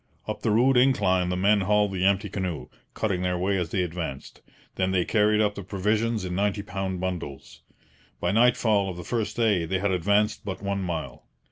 Up the rude incline the men hauled the empty canoe, cutting their way as they advanced. Then they carried up the provisions in ninety pound bundles. By nightfall of the first day they had advanced but one mile.